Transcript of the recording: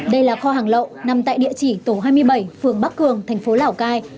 đây là kho hàng lậu nằm tại địa chỉ tổ hai mươi bảy phường bắc cường thành phố lào cai